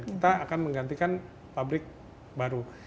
kita akan menggantikan pabrik baru